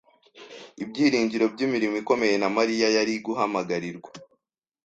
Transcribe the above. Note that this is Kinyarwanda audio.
ibyiringiro by'imirimo ikomeye na Mariya yari guhamagarirwa